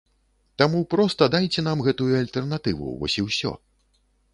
Таму проста дайце нам гэтую альтэрнатыву, вось і ўсё.